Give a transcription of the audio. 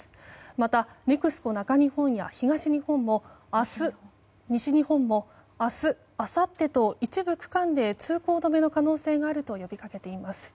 また、ＮＥＸＣＯ中日本や西日本も明日、あさってと一部区間で通行止めの可能性があると呼びかけています。